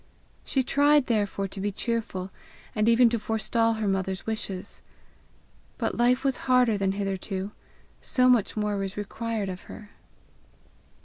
She tried therefore to be cheerful, and even to forestall her mother's wishes. But life was harder than hitherto so much more was required of her.